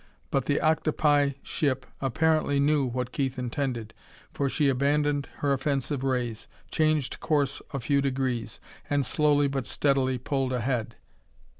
But the octopi ship apparently knew what Keith intended, for she abandoned her offensive rays, changed course a few degrees and slowly but steadily pulled ahead.